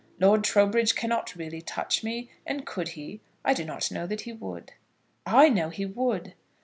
Lord Trowbridge cannot really touch me; and could he, I do not know that he would." "I know he would."